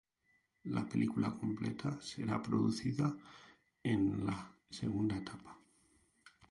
La película completa será producida en la segunda etapa.